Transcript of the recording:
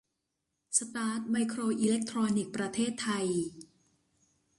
สตาร์ส ไมโครอิเล็กทรอนิกส์ ประเทศไทย